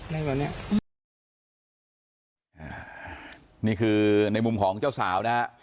นี่คือในมุมของเจ้าสาวนะ